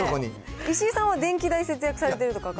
石井さんは電気代節約されてると書かれてる。